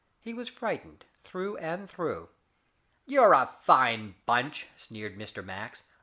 He was frightened, through and through. "You're a fine bunch," sneered Mr. Max.